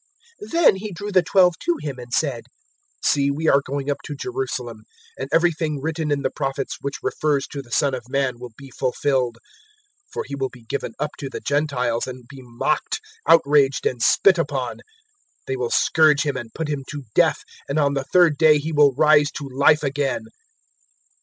018:031 Then He drew the Twelve to Him and said, "See, we are going up to Jerusalem, and everything written in the Prophets which refers to the Son of Man will be fulfilled. 018:032 For He will be given up to the Gentiles, and be mocked, outraged and spit upon. 018:033 They will scourge Him and put Him to death, and on the third day He will rise to life again."